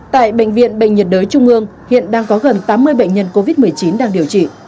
tại bệnh viện bệnh nhiệt đới trung ương hiện đang có gần tám mươi bệnh nhân covid một mươi chín đang điều trị